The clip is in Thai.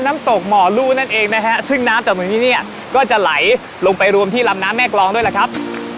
น้ำตกหมอลู่นั่นเองนะฮะซึ่งน้ำจากตรงนี้เนี่ยก็จะไหลลงไปรวมที่ลำน้ำแม่กรองด้วยล่ะครับ